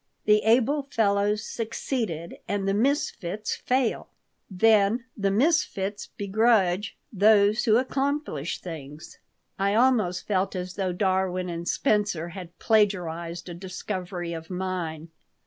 "The able fellows succeed, and the misfits fail. Then the misfits begrudge those who accomplish things." I almost felt as though Darwin and Spencer had plagiarized a discovery of mine.